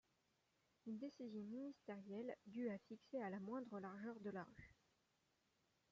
Une décision ministérielle du a fixé à la moindre largeur de la rue.